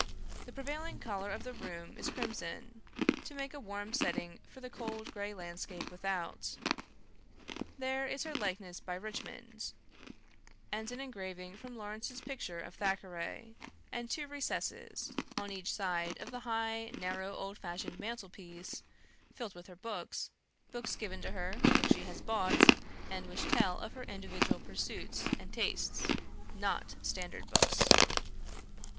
The prevailing colour of the room is crimson, to make a warm setting for the cold grey landscape without. There is her likeness by Richmond, and an engraving from Lawrence's picture of Thackeray; and two recesses, on each side of the high, narrow, old fashioned mantelpiece, filled with books, books given to her; books she has bought, and which tell of her individual pursuits and tastes; NOT standard books.